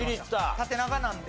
縦長なんで。